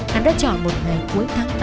hắn đã chọn một ngày cuối tháng tám